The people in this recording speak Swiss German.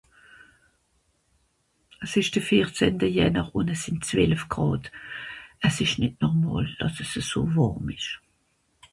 s'esch de vierzehnte Janer ùn à sìn twelef Gràd as esch nìt nòrmàl dàss'as à so Wàrm esch